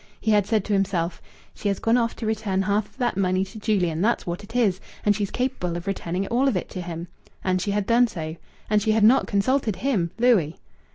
He had said to himself: "She has gone off to return half of that money to Julian that's what it is. And she's capable of returning all of it to him!" ... And she had done so. And she had not consulted him, Louis.